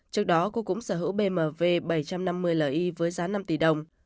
trước đó cô cũng sở hữu bmw bảy trăm năm mươi li với giá năm tỷ đồng